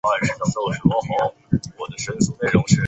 高茎紫堇为罂粟科紫堇属下的一个亚种。